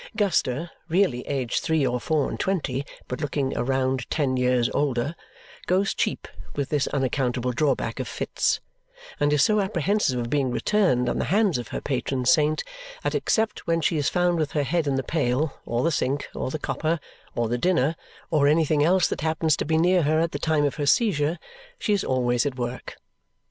Guster, really aged three or four and twenty, but looking a round ten years older, goes cheap with this unaccountable drawback of fits, and is so apprehensive of being returned on the hands of her patron saint that except when she is found with her head in the pail, or the sink, or the copper, or the dinner, or anything else that happens to be near her at the time of her seizure, she is always at work.